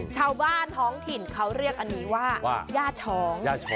ชาวบ้านท้องถิ่นเขาเรียกอันนี้ว่าย่าช้อง